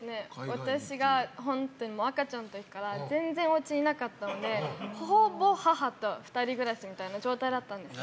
私が本当に赤ちゃんの時から全然おうちにいなかったのでほぼ母と２人暮らしみたいな状態だったんですね。